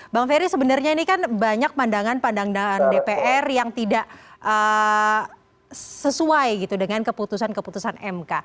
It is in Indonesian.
bang ferry sebenarnya ini kan banyak pandangan pandangan dpr yang tidak sesuai gitu dengan keputusan keputusan mk